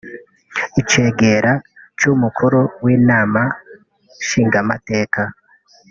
icegera c'umukuru w'inama nshingamateka